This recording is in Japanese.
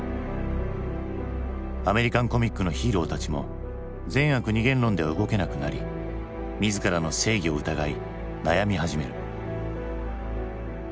アメリカンコミックのヒーローたちも善悪二元論では動けなくなり自らの正義を疑い悩み始める。